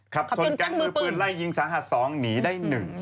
คับจนกักมือปืนไล่ยิงสาหัสสองหนีได้หนึ่ง